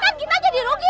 kan kita jadi rugi